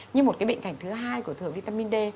như một cái bệnh cảnh thứ hai của thừa vitamin d